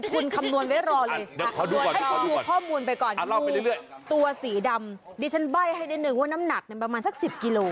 คุณคำนวณไว้รอเลยให้คุณดูข้อมูลไปก่อนงูตัวสีดำดิฉันใบ้ให้เดี๋ยวหนึ่งว่าน้ำหนักเนี่ยประมาณสักสิบกิโล